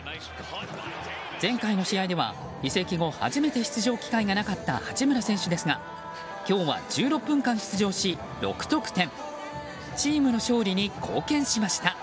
前回の試合では移籍後初めて出場機会がなかった八村選手ですが今日は１６分間出場し６得点。